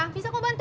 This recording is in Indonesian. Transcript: bisa kau bantu